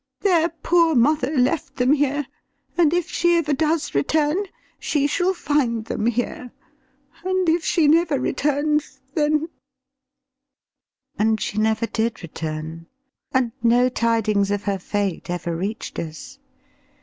Their poor mother left them here, and if she ever does return she shall find them here. And if she never returns, then " And she never did return, and no tidings of her fate ever reached us.